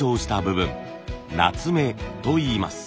夏目といいます。